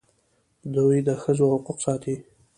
دوی د ښځو حقوق ساتي.